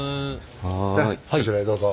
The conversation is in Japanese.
ではこちらへどうぞ。